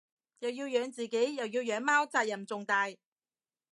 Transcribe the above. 又要養自己又要養貓責任重大